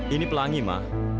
ini pelangi ma